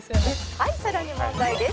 「はいさらに問題です」